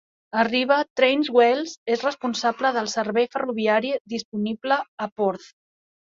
Arriva Trains Wales és responsable del servei ferroviari disponible a Porth.